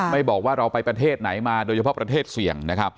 ไม่บอกว่าไปประเทศไหนมาโดยเฉพาะประเทศเสี่ยง